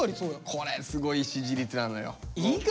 これすごい支持率なのよ。